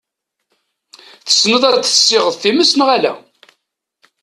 Tessneḍ ad tessiɣeḍ times neɣ ala?